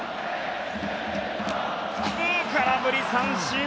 空振り三振。